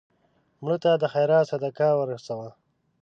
مړه ته د خیرات صدقه ورسوه